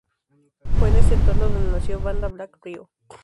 Fue en este entorno donde nació Banda Black Rio.